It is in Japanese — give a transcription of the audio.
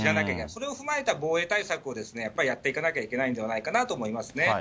それを踏まえた防衛対策をやっぱりやっていかなきゃいけないんじゃないかと思いますね。